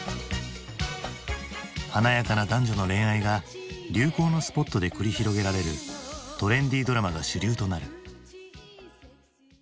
華やかな男女の恋愛が流行のスポットで繰り広げられるトレンディードラマが主流となる。